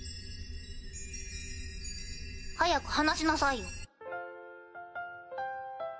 早く話しなさいよ。